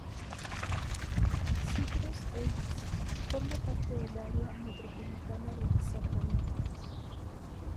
Citrus Heights forma parte del área metropolitana de Sacramento.